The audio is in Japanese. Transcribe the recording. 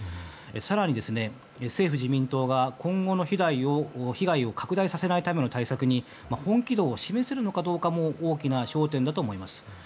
更に、政府・自民党は今後の被害を拡大させないための対策に本気度を示せるのかどうかも大きな焦点だと思います。